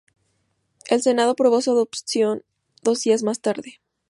El Senado aprobó su adopción dos días más tarde.